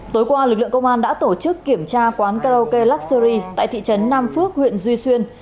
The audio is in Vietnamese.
tối qua lực lượng công an đã tổ chức kiểm tra quán karaoke luxury tại thị trấn nam phước huyện duy xuyên